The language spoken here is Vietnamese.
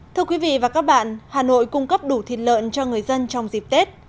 thưa quý vị và các bạn hà nội cung cấp đủ thịt lợn cho người dân trong dịp tết